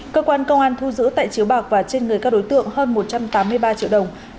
cơ quan công an thu giữ tại chiếu bạc và trên người các đối tượng hơn một trăm tám mươi ba triệu đồng